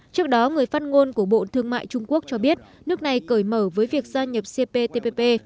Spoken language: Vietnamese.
trước đó người phát ngôn của bộ thương mại trung quốc cho biết nước này cởi mở với việc gia nhập cptpp